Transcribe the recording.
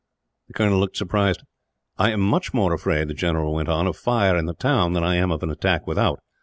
The colonel looked surprised. "I am much more afraid," the general went on, "of fire in the town, than I am of an attack without.